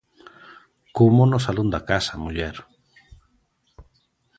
_Como no salón da casa, muller.